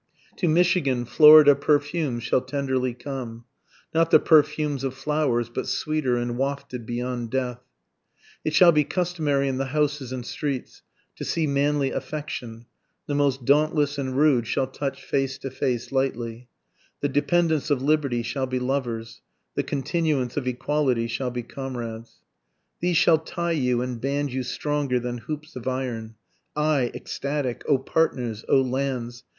To Michigan, Florida perfumes shall tenderly come, Not the perfumes of flowers, but sweeter, and wafted beyond death. It shall be customary in the houses and streets to see manly affection, The most dauntless and rude shall touch face to face lightly, The dependence of Liberty shall be lovers, The continuance of equality shall be comrades. These shall tie you and band you stronger than hoops of iron, I, ecstatic, O partners! O lands!